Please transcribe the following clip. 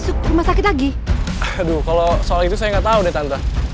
iya aku tau kamu anaknya